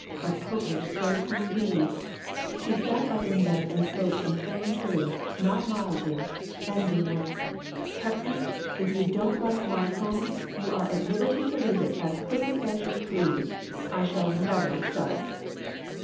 "A pokerish place, indeed!" She sat up in bed and spoke some plain truths, not mildly, ending with " Hepsy, if you don't like my home you are at liberty to leave it just as quickly as you please. I shall never sell it